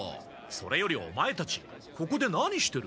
それよりオマエたちここで何してる？